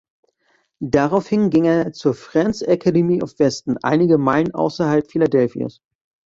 Daraufhin ging er zur "Friends' Academy of Weston", einige Meilen außerhalb Philadelphias.